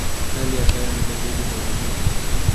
Hali ya hewa ni baridi na yabisi.